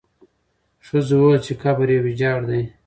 ښځو وویل چې قبر یې ویجاړ دی.